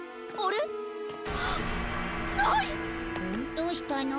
どうしたの？